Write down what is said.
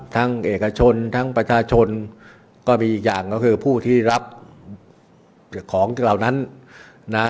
เอกชนทั้งประชาชนก็มีอีกอย่างก็คือผู้ที่รับของเหล่านั้นนะ